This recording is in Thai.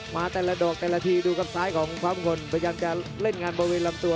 มาแต่ละดอกแต่ละทีดูครับซ้ายของฟ้ามงคลพยายามจะเล่นงานบริเวณลำตัว